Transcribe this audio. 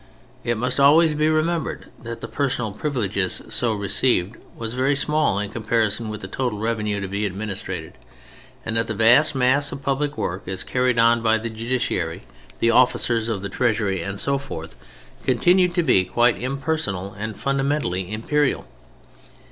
It must always be remembered that the personal privilege so received was very small in comparison with the total revenue to be administrated, and that the vast mass of public work as carried on by the judiciary, the officers of the Treasury and so forth, continued to be quite impersonal and fundamentally imperial.